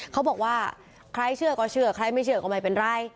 เขาบอกว่าใครเชื่อก็เชื่อใครไม่เชื่อก็ไม่เป็นไร